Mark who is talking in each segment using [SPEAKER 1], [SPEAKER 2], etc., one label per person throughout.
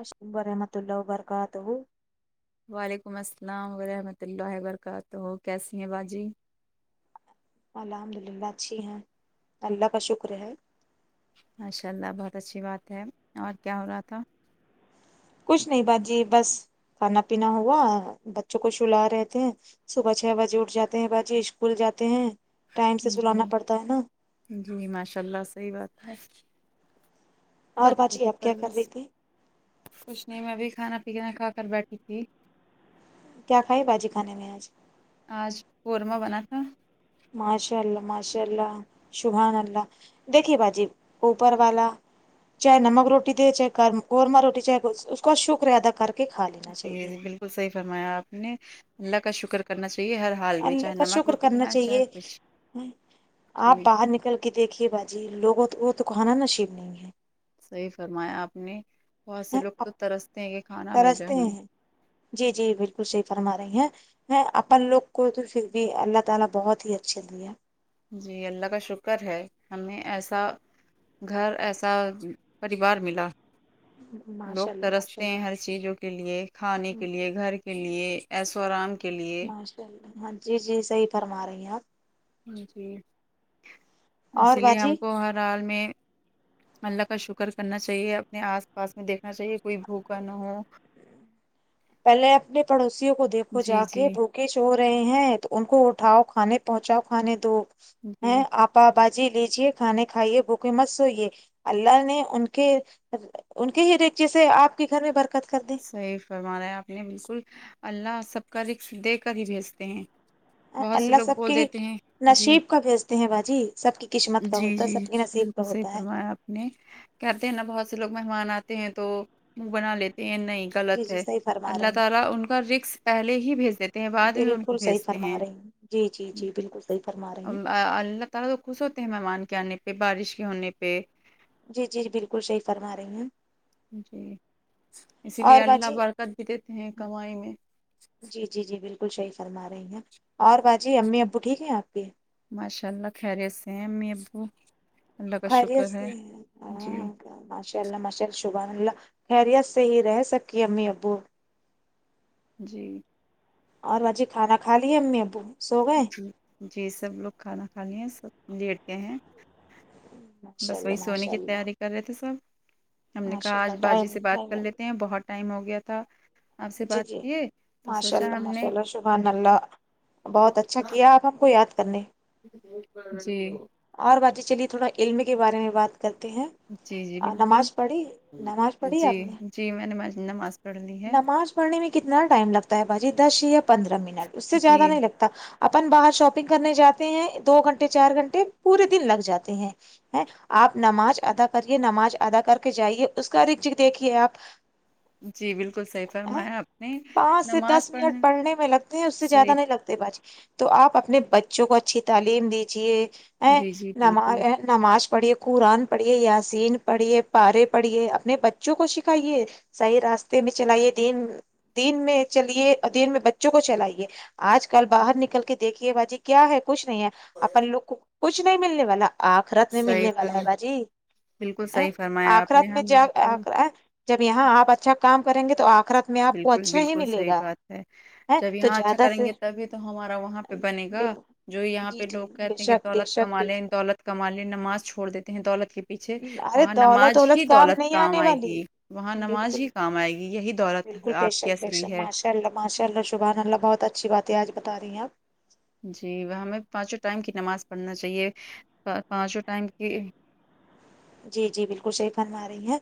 [SPEAKER 1] اش رحمت اللہ برکاات وہ
[SPEAKER 2] وعلیکم السلام ورحمۃ اللہ وبرکاتہ کیسی ہیں باجی
[SPEAKER 1] الحمد للہ اچھی ہیں اللہ کا شکر ہے
[SPEAKER 2] ماشاء اللہ بہت اچھی بات ہے اور کیا ہو رہا تھا
[SPEAKER 1] کچھ نہیں باجی بس کھانا پینا ہوا بچوں کو شلا رہے تھے صبح چھ بجے اٹھ جاتے ہیں باجی اسکول جاتے ہیں ٹائم سے سلانا
[SPEAKER 2] جی
[SPEAKER 1] پڑتا ہے نا
[SPEAKER 2] جی ماشاء اللہ صحیح بات ہے
[SPEAKER 1] اور
[SPEAKER 2] بچوں
[SPEAKER 1] باجی
[SPEAKER 2] کی
[SPEAKER 1] آپ کیا کر رہی
[SPEAKER 2] پرورش
[SPEAKER 1] تھی
[SPEAKER 2] کچھ نہیں میں بھی کھانا پینا کھا کر بیٹھی تھی
[SPEAKER 1] کیا کھائے باجی کھانے میں آج
[SPEAKER 2] آج قورمہ بنا تھا
[SPEAKER 1] ماشاء اللہ ماشاء اللہ شبحان اللہ دیکھیے باجی اوپر والا چاہے نمک روٹی دے چاہے قورما روٹی چاہے اس کا شکر ادا کر کے کھا لینا
[SPEAKER 2] جی
[SPEAKER 1] چاہیے
[SPEAKER 2] جی بالکل صحیح فرمایا آپ نے اللہ کا شکر کرنا چاہیے ہر حال میں
[SPEAKER 1] اللہ
[SPEAKER 2] چاہے
[SPEAKER 1] کا
[SPEAKER 2] نمک
[SPEAKER 1] شکر
[SPEAKER 2] روٹی
[SPEAKER 1] کرنا
[SPEAKER 2] کھلائیں چاہے
[SPEAKER 1] چاہیے
[SPEAKER 2] کچھ
[SPEAKER 1] آپ
[SPEAKER 2] جی
[SPEAKER 1] باہر نکل کہ دیکھیے باجی لوگوں وہ تو کہانا نصیب نہیں ہے
[SPEAKER 2] صحیح فرمایا آپ نے بہت سے
[SPEAKER 1] ہے
[SPEAKER 2] لوگ تو
[SPEAKER 1] آپ
[SPEAKER 2] ترستے ہیں کہ کھانا مل جائیں
[SPEAKER 1] ترستے
[SPEAKER 2] ہمیں
[SPEAKER 1] ہیں جی جی بالکل صحیح فرما رہی ہیں ہے اپن لوگ کو تو پھر بھی اللہ تعالی بہت ہی اچھے دیا
[SPEAKER 2] جی اللہ کا شکر ہے ہمیں ایسا گھر ایسا پریوار ملا لوگ
[SPEAKER 1] ماشاء اللہ ماشاء
[SPEAKER 2] ترستے ہیں ہر
[SPEAKER 1] اللہ
[SPEAKER 2] چیز جو کے لیے کھانے کے لیے گھر کے لیے ایسوران
[SPEAKER 1] ماشاء اللہ ہاں جی جی صحیح فرما رہی ہیں آپ
[SPEAKER 2] جی اس
[SPEAKER 1] اور
[SPEAKER 2] لیے
[SPEAKER 1] باجی
[SPEAKER 2] ہم کو ہر حال میں اللہ کا شکر کرنا چاہیے اپنے آس پاس میں دیکھنا چاہیے کوئی بھوکا نہ ہو
[SPEAKER 1] پہلے اپنے پڑوسیوں کو دیکھو
[SPEAKER 2] جی
[SPEAKER 1] جا
[SPEAKER 2] جی
[SPEAKER 1] کے ب ہوکے رہے ہیں تو ان کو اٹھاؤ کھانے پہنچاؤ کھانے دو
[SPEAKER 2] جی
[SPEAKER 1] ہیں آپ باباجی لیجے کھانے کھائیے بھوکے مت سوئیے اللہ نے ان کے ان کے ہی ریکچے سے آپ کے گھر میں برکت کرنے
[SPEAKER 2] صحیح فرمانا ہے آپ نے بالکل اللہ سب کا رقص دے کر ہی بھیجتے ہیں بہت سے
[SPEAKER 1] اللہ
[SPEAKER 2] لوگ
[SPEAKER 1] سب
[SPEAKER 2] بول
[SPEAKER 1] کے
[SPEAKER 2] دیتے ہیں جی
[SPEAKER 1] نصیب کا بھیجتے ہیں باجی سب کی قسمت کا
[SPEAKER 2] جی
[SPEAKER 1] ہوتا ہے
[SPEAKER 2] جی
[SPEAKER 1] سب کے نصیب
[SPEAKER 2] بالکل
[SPEAKER 1] کا
[SPEAKER 2] اس سے ہی
[SPEAKER 1] ہوتا ہے
[SPEAKER 2] فرمایا آپ کہتے ہیں نا بہت سے لوگ مہمان آتے ہیں تو منہ بنا لیتے ہیں نہیں
[SPEAKER 1] جی
[SPEAKER 2] غلط
[SPEAKER 1] جی
[SPEAKER 2] ہے
[SPEAKER 1] صحیح فرما
[SPEAKER 2] اللہ
[SPEAKER 1] رہی ہیں
[SPEAKER 2] تعالی ان کا رقص پہلے ہی بھیج دیتے ہیں بعد میں ان کو
[SPEAKER 1] بالکل صحیح
[SPEAKER 2] بھیجتے
[SPEAKER 1] فرما
[SPEAKER 2] ہیں
[SPEAKER 1] رہی جی جی جی بالکل صحیح فرما رہی ہیں
[SPEAKER 2] اللہ ترہ خوش ہوتے ہیں مہمان کے آنے پہ بارش کے ہونے پہ
[SPEAKER 1] جی جی جی بالکل صحیح فرما رہی ہیں
[SPEAKER 2] جی اسی لیے
[SPEAKER 1] اور
[SPEAKER 2] اللہ
[SPEAKER 1] باجی
[SPEAKER 2] برکت بھی دیتے ہیں کمائی میں
[SPEAKER 1] جی جی جی بالکل صحیح فرما رہی ہیں اور با جی امی ابو ٹھیک ہیں آپ کے
[SPEAKER 2] ماشاء اللہ خیریت سے ہیں اممی ابو اللہ کا
[SPEAKER 1] خیریت
[SPEAKER 2] شکر ہے
[SPEAKER 1] سے ہیں
[SPEAKER 2] جی
[SPEAKER 1] ہاں ماشاء اللہ ماشاء اللہ شبحان اللہ خیریت سے ہی رہ سکی امی ابو
[SPEAKER 2] جی
[SPEAKER 1] اور باجی کھانا کھا لیے امی ابو سو گئے
[SPEAKER 2] جی جی سب لوگ کھانا کھا لیے ہیں سب لیٹے ہیں
[SPEAKER 1] ماشاء
[SPEAKER 2] بس
[SPEAKER 1] اللہ
[SPEAKER 2] وہی سونے
[SPEAKER 1] ماشاء
[SPEAKER 2] کی
[SPEAKER 1] اللہ
[SPEAKER 2] تیاری کر رہے تھے سب ہم نے
[SPEAKER 1] ماشاء
[SPEAKER 2] کہا آج
[SPEAKER 1] اللہ
[SPEAKER 2] باجی
[SPEAKER 1] ٹائم
[SPEAKER 2] سے
[SPEAKER 1] نہیں
[SPEAKER 2] بات کر لیتے
[SPEAKER 1] نہیں
[SPEAKER 2] ہیں بہت ٹائم ہو گیا تھا آپ سے
[SPEAKER 1] جی
[SPEAKER 2] بات
[SPEAKER 1] جی
[SPEAKER 2] کیے تو
[SPEAKER 1] ماشاء
[SPEAKER 2] سوچا
[SPEAKER 1] اللہ
[SPEAKER 2] ہم
[SPEAKER 1] ماشاء
[SPEAKER 2] نے
[SPEAKER 1] اللہ سبحان
[SPEAKER 2] کہ
[SPEAKER 1] اللہ بہت اچھا کیا آپ ہم کو یاد کرنے
[SPEAKER 2] جی
[SPEAKER 1] اور باجی چلیے تھوڑا علم کے بارے میں بات کرتے ہیں
[SPEAKER 2] جی جی
[SPEAKER 1] اور
[SPEAKER 2] بالکل
[SPEAKER 1] نماز پڑھی نماز پڑھی
[SPEAKER 2] جی
[SPEAKER 1] آپ نے
[SPEAKER 2] جی میں نے نماز پڑھ لی ہے
[SPEAKER 1] نماز پڑھنے میں کتنا ٹائم لگتا ہے باجی دس یا پندرہ منٹ اس سے
[SPEAKER 2] جی
[SPEAKER 1] زیادہ نہیں لگ اپن باہر شاپنگ کرنے جاتے ہیں دو گھنٹے چار گھنٹے پورے دن لگ جاتے ہیں ہے آپ نماز ادا کریے نماز ادا کر کے جائیے اس کا رچ دیکھیے آپ
[SPEAKER 2] جی بلکل صحیح
[SPEAKER 1] ا
[SPEAKER 2] فرمایا آپ نے
[SPEAKER 1] پانچ سے دس منٹ پڑھنے میں لگتے ہیں اس سے
[SPEAKER 2] صحیح
[SPEAKER 1] زیادہ نہیں لگ تو آپ اپنے بچوں کو اچھی تعلیم دیجیے ا
[SPEAKER 2] جی جی بالکل
[SPEAKER 1] نماز آ نماز پڑھیے قرآن پڑھیے یاسین پڑھیے پارے پڑھیے اپنے بچوں کو سکھائیے صحیح راستے بھی چلائیے دین دین میں چلیے اور دین میں بچوں کو چلائیے آج کل باہر نکل کے دیکھیے باجی کیا ہے کچھ نہیں ہے اپن لوگ کو کچھ نہیں ملنے والا آپ آخرت میں
[SPEAKER 2] صحیح
[SPEAKER 1] ملنے والا ہے
[SPEAKER 2] فرم
[SPEAKER 1] باجی
[SPEAKER 2] بالکل
[SPEAKER 1] ا
[SPEAKER 2] صحیح فرمایا آپ نے
[SPEAKER 1] آخرات میں
[SPEAKER 2] ہم
[SPEAKER 1] جا
[SPEAKER 2] لوگ کو
[SPEAKER 1] آخ جب یہاں آپ اچھا کام کریں گے تو آخیرت
[SPEAKER 2] بالکل بالکل صحیح بات ہے
[SPEAKER 1] ہے
[SPEAKER 2] جب
[SPEAKER 1] تو
[SPEAKER 2] یہاں اچھا
[SPEAKER 1] زیادہ
[SPEAKER 2] کریں
[SPEAKER 1] سے
[SPEAKER 2] گے تبھی تو ہمارا وہاں پہ بنے گا
[SPEAKER 1] بل
[SPEAKER 2] جو یہاں پہ
[SPEAKER 1] جی جی
[SPEAKER 2] لوگ
[SPEAKER 1] بے
[SPEAKER 2] کہتے ہیں کہ
[SPEAKER 1] شک بے
[SPEAKER 2] دولت
[SPEAKER 1] شک
[SPEAKER 2] کما
[SPEAKER 1] بے
[SPEAKER 2] لے دولت کما لے نماز چھوڑ دیتے ہیں دولت کی پیچھے
[SPEAKER 1] ارے
[SPEAKER 2] وہاں
[SPEAKER 1] دولت
[SPEAKER 2] نماز ہی دولت
[SPEAKER 1] نہیں
[SPEAKER 2] کام
[SPEAKER 1] آنے
[SPEAKER 2] آئے
[SPEAKER 1] والی
[SPEAKER 2] گی وہاں نماز
[SPEAKER 1] بالکل
[SPEAKER 2] ہی کام آئے گی یہی دولت
[SPEAKER 1] بالکل بے
[SPEAKER 2] آپ کی
[SPEAKER 1] شک بے
[SPEAKER 2] اصلی
[SPEAKER 1] شک
[SPEAKER 2] ہے
[SPEAKER 1] ماشاء اللہ ماشاء اللہ سبحان اللہ بہت اچھی بات ہے آج بتا رہی ہیں آپ
[SPEAKER 2] جی ہمیں پانچوں ٹائم کی نماز پڑھنا چاہیے پانچوں ٹائم کی
[SPEAKER 1] جی جی بلکل صحیح فرما رہی ہیں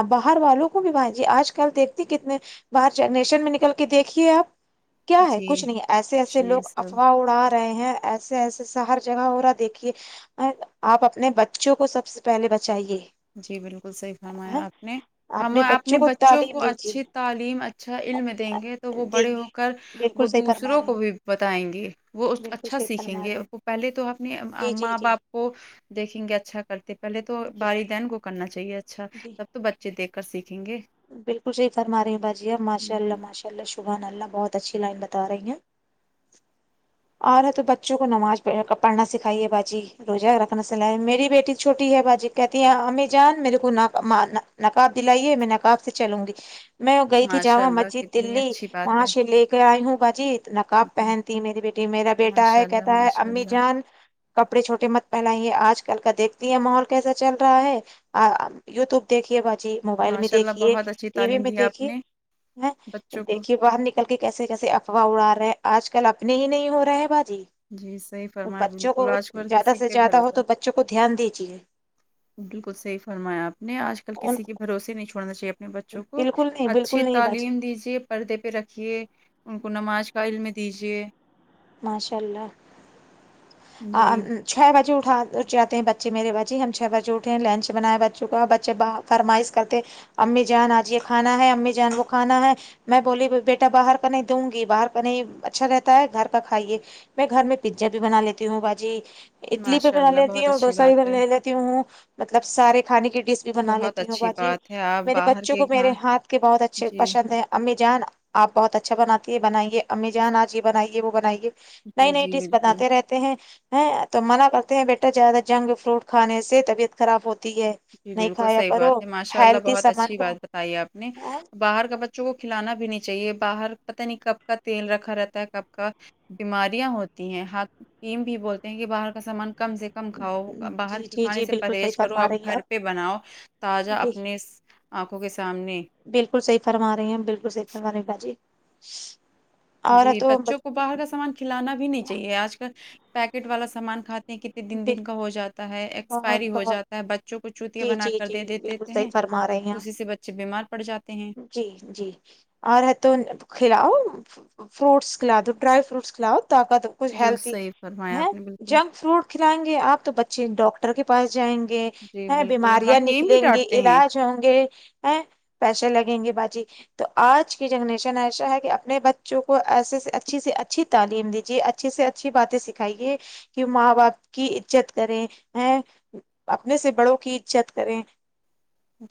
[SPEAKER 1] آپ باہر والوں کو بھی جی آج کل دیکھتی کتنے باہر جنریشن میں نکل کے دیکھیے آپ کیا ہے کچھ
[SPEAKER 2] جی
[SPEAKER 1] نہیں ایسے ایسے
[SPEAKER 2] نہیں
[SPEAKER 1] لوگ
[SPEAKER 2] سب
[SPEAKER 1] افواہ اڑا رہے ہیں ایسے ایسے سا ہر جگہ ہو رہا دیکھیے آپ اپنے بچوں کو سبسے پہلے بچائیے
[SPEAKER 2] جی بالکل صحیح فرمایا آپ نے
[SPEAKER 1] آپ
[SPEAKER 2] ہم
[SPEAKER 1] نے
[SPEAKER 2] اپنے
[SPEAKER 1] کو
[SPEAKER 2] بچوں
[SPEAKER 1] تعلیم
[SPEAKER 2] کو
[SPEAKER 1] دیجیے
[SPEAKER 2] اچھی تعلیم اچ اچھا علم دیں گے تو وہ
[SPEAKER 1] دیں
[SPEAKER 2] بڑے
[SPEAKER 1] گے
[SPEAKER 2] ہو کر وہ
[SPEAKER 1] بالکل صحیح فرما
[SPEAKER 2] دوسروں
[SPEAKER 1] رہے
[SPEAKER 2] کو
[SPEAKER 1] ہیں
[SPEAKER 2] بھی بتائیں گے وہ
[SPEAKER 1] بالکل
[SPEAKER 2] اچھا
[SPEAKER 1] صحیح
[SPEAKER 2] سیکھیں
[SPEAKER 1] فرما رہے
[SPEAKER 2] گے
[SPEAKER 1] ہیں
[SPEAKER 2] وہ پہلے تو اپنے
[SPEAKER 1] جی جی
[SPEAKER 2] ماں
[SPEAKER 1] جی
[SPEAKER 2] باپ کو دیکھیں گے اچھا کرتے پہلے تو
[SPEAKER 1] جی
[SPEAKER 2] والدین کو کرنا چاہیے اچھا
[SPEAKER 1] جی
[SPEAKER 2] تو بچے دیکھ کر سیکھیں گے
[SPEAKER 1] بالکل صحیح فرما رہی ہیں باجی آپ ماشاء اللہ
[SPEAKER 2] جی
[SPEAKER 1] ماشاء اللہ شبحان اللہ بہت اچھی لائن بتا رہی ہیں اور ہے تو بچوں کو نماز پڑ پڑھنا سکھائیے باجی روزہ رکھنا صلاح ہے میری بیٹی چھوٹی ہے باجی کہتی ہیں امی جان میرے کو نہ ماننا نقاب دلائیے میں نقاب سے چلوں گی میں گئی تھی
[SPEAKER 2] ماشاء
[SPEAKER 1] جامع
[SPEAKER 2] اللہ
[SPEAKER 1] مسجد
[SPEAKER 2] کتنی
[SPEAKER 1] دلی
[SPEAKER 2] اچھی بات
[SPEAKER 1] وہاں
[SPEAKER 2] ہے
[SPEAKER 1] سے لے لائی ہوں باجی نقاب
[SPEAKER 2] جی
[SPEAKER 1] پہنتی میری بیٹی میرا بیٹا
[SPEAKER 2] ماشاء
[SPEAKER 1] ہے
[SPEAKER 2] اللہ
[SPEAKER 1] کہتا ہے
[SPEAKER 2] ماشاء
[SPEAKER 1] امی
[SPEAKER 2] اللہ
[SPEAKER 1] جان کپڑے چھوٹے مت پہنائیے آج کل کا دیکھتی ہے ماحول کیسا چل رہا ہے آ یو ٹیوب دیکھیے باجی موبائل میں
[SPEAKER 2] ماشاء اللہ
[SPEAKER 1] دیکھیے
[SPEAKER 2] بہت اچھی
[SPEAKER 1] ٹی وی
[SPEAKER 2] تعلیم
[SPEAKER 1] میں
[SPEAKER 2] دی آپ
[SPEAKER 1] دیکھیے
[SPEAKER 2] نے بچوں کو
[SPEAKER 1] دیکھیے باہر نکل کل کے کیسے کیسے افواہ اڑا رہے ہیں آج کل اپنے ہی نہیں ہو رہا ہے باجی
[SPEAKER 2] جی صحیح
[SPEAKER 1] تو
[SPEAKER 2] فرمایا
[SPEAKER 1] بچوں
[SPEAKER 2] بالکل
[SPEAKER 1] کو
[SPEAKER 2] آج کل
[SPEAKER 1] زیادہ
[SPEAKER 2] کسی
[SPEAKER 1] سے
[SPEAKER 2] پہ
[SPEAKER 1] زیادہ ہو
[SPEAKER 2] بھروسہ
[SPEAKER 1] تو بچوں کو دھیان دیجیے
[SPEAKER 2] بلکل صحیح فرمایا آپ نے آج کل
[SPEAKER 1] ان
[SPEAKER 2] کسی کے بھروسے نہیں چھوڑنا چاہیے اپنے بچوں کو
[SPEAKER 1] بالکل نہیں
[SPEAKER 2] اچھی
[SPEAKER 1] بالکل نہیں باجی
[SPEAKER 2] تعلیم دیجے پردے پہ رکھیے ان کو نماز کا علم دیجیے
[SPEAKER 1] ماشاء اللہ آں
[SPEAKER 2] جی
[SPEAKER 1] چھ بجے اٹھا جاتے ہیں بچے میرے باجی ہم چھ بجے اٹھ لنچ بنائے بچوں کا اور بچے با فرمائش کرتے امی جان آج یہ کھانا ہے امی جان وہ کھانا ہے میں بولی بیٹا باہر کا نہیں دوں گی باہر کا نہیں اچھا رہتا ہے گھر کا کھائیے میں گھر میں پیزا بھی بنا لیتی ہوں باجی اڈلی بھی
[SPEAKER 2] ماشاء
[SPEAKER 1] بنا
[SPEAKER 2] اللہ
[SPEAKER 1] لیتی
[SPEAKER 2] بہت
[SPEAKER 1] ہوں
[SPEAKER 2] اچھی
[SPEAKER 1] ڈوسا بھی
[SPEAKER 2] بات ہے
[SPEAKER 1] بنا ل لیتی ہوں مطلب سارے کھانے کی ڈش بھی بنا
[SPEAKER 2] بہت
[SPEAKER 1] لیتی ہوں
[SPEAKER 2] اچھی
[SPEAKER 1] باجی
[SPEAKER 2] بات ہے آپ
[SPEAKER 1] میرے
[SPEAKER 2] باہر
[SPEAKER 1] بچوں
[SPEAKER 2] کے
[SPEAKER 1] کو میرے
[SPEAKER 2] گھاں
[SPEAKER 1] ہاتھ کے بہت اچھے
[SPEAKER 2] جی
[SPEAKER 1] پشند ہے امی جان آپ بہت اچھا بناتی ہے بنائیے امی جان آج یہ بنائیے وہ بنائیے نئی
[SPEAKER 2] جی
[SPEAKER 1] نئی
[SPEAKER 2] جی
[SPEAKER 1] ڈش
[SPEAKER 2] بالکل
[SPEAKER 1] بتاتے رہ تے ہیں تو منع کرتے ہیں بیٹا زیادہ جنک فڈ کھانے سے طبیعت خراب ہوتی ہے
[SPEAKER 2] جی
[SPEAKER 1] نہیں
[SPEAKER 2] بالکل
[SPEAKER 1] کھایا
[SPEAKER 2] صحیح
[SPEAKER 1] کرو
[SPEAKER 2] بات ہے ماشاء اللہ
[SPEAKER 1] ہیلتھی
[SPEAKER 2] بہت
[SPEAKER 1] سامان
[SPEAKER 2] اچھی
[SPEAKER 1] کا
[SPEAKER 2] بات بتائی آپ نے
[SPEAKER 1] ہاں
[SPEAKER 2] باہر کا ب جوں وہ کھلانا بھی نہیں چاہیے باہر پتہ نہیں کب کا تیل رکھا رہتا ہے کب کا بیماریاں ہوتی ہیں حکیم بھی بولتے ہیں کہ باہر کا سامان کم سے کم کھاؤ باہر
[SPEAKER 1] جی
[SPEAKER 2] کے
[SPEAKER 1] جی
[SPEAKER 2] کھانے
[SPEAKER 1] جی
[SPEAKER 2] سے
[SPEAKER 1] بالکل صحیح
[SPEAKER 2] پرہیز کرو
[SPEAKER 1] فرما
[SPEAKER 2] اب
[SPEAKER 1] رہی ہیں
[SPEAKER 2] گھر
[SPEAKER 1] آپ
[SPEAKER 2] پہ بناؤ تازہ
[SPEAKER 1] جی
[SPEAKER 2] اپنے آنکھوں کے سامنے
[SPEAKER 1] بالکل صحیح فرما رہی ہیں بالکل صحیح فرما رہی باجی اور
[SPEAKER 2] جی
[SPEAKER 1] تو
[SPEAKER 2] بچوں کو باہر کا سامان کھلانا بھی نہیں چاہیے آج کل پیکٹ والا سامان کھا کتنے دن دن کا ہو جاتا ہے
[SPEAKER 1] بہت
[SPEAKER 2] ایکسپائری ہو
[SPEAKER 1] بہت
[SPEAKER 2] جاتا ہے بچوں کو چوتیا
[SPEAKER 1] جی
[SPEAKER 2] بنا
[SPEAKER 1] جی
[SPEAKER 2] کر دے
[SPEAKER 1] جی
[SPEAKER 2] دیتے
[SPEAKER 1] بالکل صحیح
[SPEAKER 2] ہیں
[SPEAKER 1] فرما رہی ہیں آپ
[SPEAKER 2] اسی سے بچے بیمار پڑ جاتے ہیں
[SPEAKER 1] جی جی اور ہے توں کھلاؤ نہ فروٹس کھلا دو ڈرائی فروٹس کھلاؤ طاقت کچھ
[SPEAKER 2] جو
[SPEAKER 1] ہیلدی
[SPEAKER 2] صحیح فرمایا آپ
[SPEAKER 1] ہے
[SPEAKER 2] نے بالکل
[SPEAKER 1] جنک فروٹ کھلائیں گے آپ تو بچے ڈاکٹر کے پاس جائیں گے
[SPEAKER 2] جی
[SPEAKER 1] ا
[SPEAKER 2] بالکل
[SPEAKER 1] بیماریاں
[SPEAKER 2] حکیم بھی
[SPEAKER 1] نکلیں گے
[SPEAKER 2] ڈانٹتے ہیں
[SPEAKER 1] علاج ہوں گے ا پیسے لگیں گے باجی تو آج کی جنریشن ایسا ہے کہ اپنے بچوں کو ایسے سے اچھی سے اچھی تعلیم دیجیے اچ ھی سے اچھی باتیں سکھائیے کہ ماں باپ کی عزت کریں یں اپنے سے بڑوں کی عزت کریں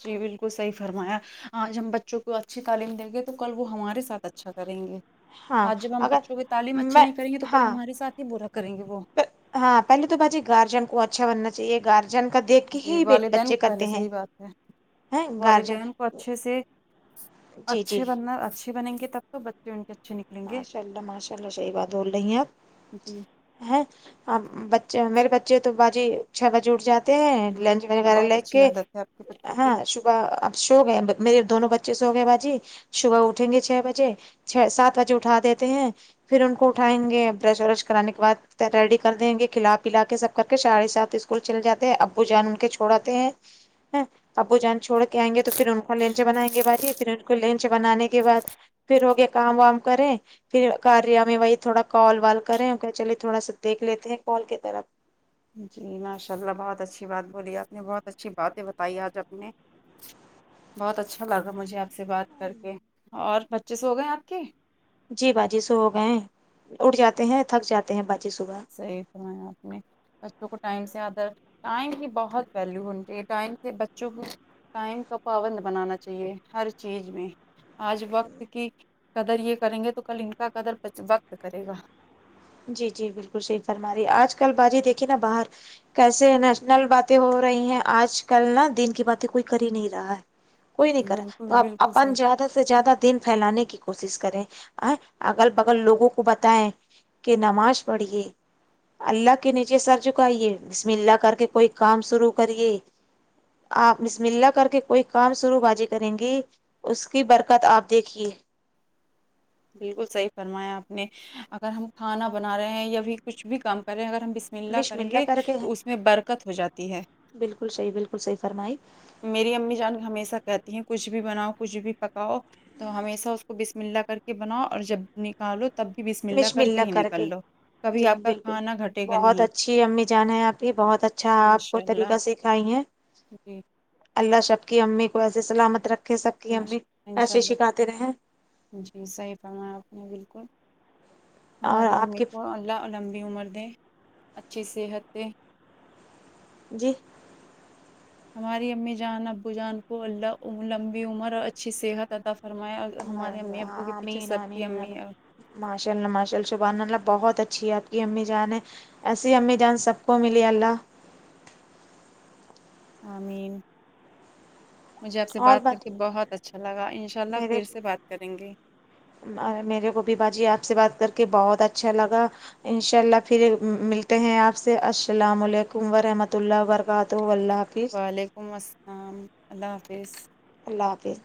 [SPEAKER 2] جی بالکل صحیح فرمایا آج ہم بچوں کو اچھی تعلیم دیں گے تو کل وہ ہمارے ساتھ اچھا کریں گے
[SPEAKER 1] ہاں
[SPEAKER 2] آج جب ہم
[SPEAKER 1] اگر
[SPEAKER 2] بچوں کی تعلیم اچھیے
[SPEAKER 1] میں
[SPEAKER 2] نہیں کریں گے تو کل
[SPEAKER 1] ہاں
[SPEAKER 2] ہمارے ساتھ ہی برا کریں گے وہ
[SPEAKER 1] ہاں پہے تو بات جی گارجن کو اچھا بننا چاہے گ
[SPEAKER 2] جی والدین پہلے صحیح بات ہے
[SPEAKER 1] ہیں گارجن
[SPEAKER 2] والدین کو اچھے سے
[SPEAKER 1] جی جی
[SPEAKER 2] اچھے بننا اچھے بنیں گے تب تو بچے ان کے اچھے نک
[SPEAKER 1] ماشاء اللہ ماشاء اللہ صحیح بات بول رہی ہیں آپ
[SPEAKER 2] جی
[SPEAKER 1] ہے اب بچے میرے بچے تو باجی چھ بجے اٹھ جاتے تے ہیں لنچ
[SPEAKER 2] ماشاءاللہ،
[SPEAKER 1] وغیرہ
[SPEAKER 2] بہت
[SPEAKER 1] لے
[SPEAKER 2] اچھی
[SPEAKER 1] کے
[SPEAKER 2] عادت ہے آپ کے بچوں
[SPEAKER 1] ہاں
[SPEAKER 2] کی
[SPEAKER 1] ص بح اب سو گئے میرے دونوں بچے سو گئے باجی صبح اٹھیں گے چھ بجے چھ سات بجے اٹھا دیتے ہیں پھر ان کو اٹھائیں گے برش وورش کرانے کے بعد ریڈی کر دیں گے کھلا پلا کے سب کر کے ساڑھے سات اس کول چلے جاتے ہیں ابو جان ان کے چھوڑ آتے ہیں ہوں ابو جان چھوڑ کے آینگیں گے تو پھر ان کو لنچ بنائیں گے باجی پھر ان کو لنچ بنانے کے بعد پھر ہوگے کام وام کریں پھر کاریا میں وہی تھوڑا کال وال کرے اوکے چلے تھوڑا سا دیکھ لیتے ہیں کال کی طرف
[SPEAKER 2] جی ماشاء اللہ بہت اچھی بات بولی آپ نے بہت اچھی باتیں بتائی آج اپ نے بہت اچھا لگا مجھے آپ سے بات کر کے اور بچے سو گئے آپ کے
[SPEAKER 1] جی باجی سو ہو گئے ہیں اٹ جاتے ہیں تھک جاتے ہیں باجی صبح
[SPEAKER 2] صحیح فرمایا آپ نے بچوں کو ٹائم سے ادر ٹائم کی بہت ویلیو ہونی چاہیے ٹائم سے بچوں کو ٹائم کا پابند بنانا چاہیے ہر چیز میں آج وقت کی قدر یہ کریں گے تو کل ان کا قدر وقت کرے گا
[SPEAKER 1] جی جی بالکل صحیح فرما رہ آج کل باجی دیکھیے نا باہر کیسے نیشنل باتیں ہو رہی ہیں آج کل نا دین کی باتیں کوئی کر ہی نہیں رہا ہے کوئی نہیں کرا
[SPEAKER 2] بالکل
[SPEAKER 1] تو
[SPEAKER 2] بالکل
[SPEAKER 1] اپن
[SPEAKER 2] صحیح
[SPEAKER 1] زیادہ سے زیادہ دین پھیلانے کی کوشش کریں ا اگل بگل لوگوں کو بتایں کہ نماز پڑھیے اللہ کے نیچے سر چکائیے بسم اللہ کر کے کوئی کام شروع کریے آپ بسم اللہ کر کے کوئی کام شرو باجی کریں گی اس کی برکت آپ دیکھیے
[SPEAKER 2] بالکل صحیح فرمایا آپ نے اگر ہم کھانا بنا رہے ہیں یا بھی کچھ بھی کام کر رہے ہیں اگر ہم ملنا
[SPEAKER 1] بسم
[SPEAKER 2] کریں گے
[SPEAKER 1] اللہ کر کے
[SPEAKER 2] تو اس میں برکت ہو جاتی ہے
[SPEAKER 1] بالکل صحیح بالکل صحیح فرمائی
[SPEAKER 2] میری امی جان کے ہمیشہ کہتی ہیں کچھ بھی بناؤ کچھ بھی پکاؤ تو ہمیشہ اس کو بسم اللہ کر کے بناؤ اور جب نکالو تب بھی بسم اللہ کر کے ہی نکل لو کبھی
[SPEAKER 1] جی
[SPEAKER 2] آپ کا
[SPEAKER 1] بالکل
[SPEAKER 2] کھانا گھٹے گا
[SPEAKER 1] بہت
[SPEAKER 2] نہیں
[SPEAKER 1] اچھی امی جان ہے آپ کی بہت اچھا آپ کو
[SPEAKER 2] ماشاء اللہ
[SPEAKER 1] طریقہ سکھائی ہے
[SPEAKER 2] جی
[SPEAKER 1] اللہ سب کی امی کو ایسے سلامت رکھے سب کی امی
[SPEAKER 2] ماشاء اللہ، انشاء
[SPEAKER 1] ایسے
[SPEAKER 2] اللہ
[SPEAKER 1] سکھاتے رہیں
[SPEAKER 2] جی صحیح فرما آپ نے بالکل
[SPEAKER 1] اور
[SPEAKER 2] ہماری
[SPEAKER 1] آپ
[SPEAKER 2] امی
[SPEAKER 1] کی
[SPEAKER 2] کو لا لمبی عمر دے اچھی صحت سے
[SPEAKER 1] جی
[SPEAKER 2] ہماری امی جان ابو جان کو اللہ لمبی عمر اور اچھی صحت عطا فرمایا اور تو ہمارے امی ابو کے پیچھے
[SPEAKER 1] آمین
[SPEAKER 2] سب کی
[SPEAKER 1] آمین
[SPEAKER 2] امی
[SPEAKER 1] آمین ماشاء اللہ ماشاء اللہ شبحان اللہ بہت اچھی ہے آپ کی امی جان ہے ایسی امی جان سب کو ملی اللہ
[SPEAKER 2] آمین مجھے آپ سے بات کر کے بہت اچھا لگا انشاء اللہ
[SPEAKER 1] میرے
[SPEAKER 2] پھر سے بات کریں گے
[SPEAKER 1] میرے کو بھی باجی آپ سے بات کر کے بہت اچھا لگا انشاء اللہ پھر ملتے ہیں آپ سے السلام علیکم ورحمۃ اللہ وبرکاتہ اللہ
[SPEAKER 2] وعلیکم السلام اللہ حافظ
[SPEAKER 1] اللہ حافظ